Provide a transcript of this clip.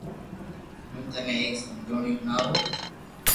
ھون ٿني ايڪ سمجوڻي ھڻاوُ